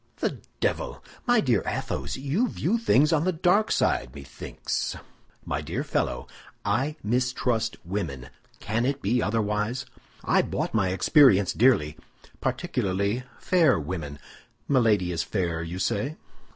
"The devil! my dear Athos, you view things on the dark side, methinks." "My dear fellow, I mistrust women. Can it be otherwise? I bought my experience dearly—particularly fair women. Milady is fair, you say?"